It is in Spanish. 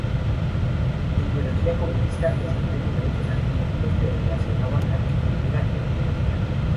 De ideología comunista, escribió numerosos artículos que relacionaban arquitectura e ideología.